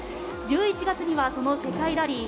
１１月にはその世界ラリー